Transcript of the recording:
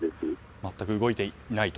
全く動いていないと。